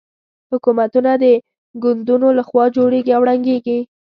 حکومتونه د ګوندونو له خوا جوړېږي او ړنګېږي.